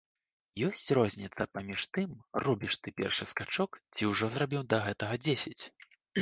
Ёсць розніца паміж тым, робіш ты першы скачок ці ўжо зрабіў да гэтага дзесяць?